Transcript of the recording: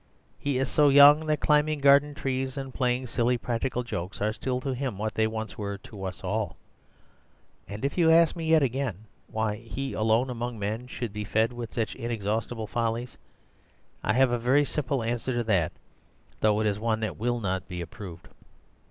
He is so young that climbing garden trees and playing silly practical jokes are still to him what they once were to us all. And if you ask me yet again why he alone among men should be fed with such inexhaustible follies, I have a very simple answer to that, though it is one that will not be approved.